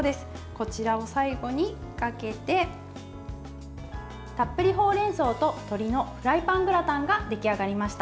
こちらを最後にかけてたっぷりほうれんそうと鶏のフライパングラタンが出来上がりました。